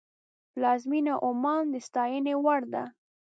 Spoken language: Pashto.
پلازمینه عمان د ستاینې وړ ده.